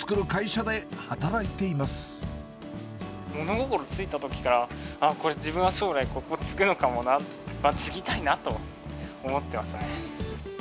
物心ついたときから、あっ、これ、自分は将来ここを継ぐのかな、継ぎたいなと思ってましたね。